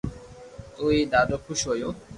تو ھون ڌادو خوݾ ھويو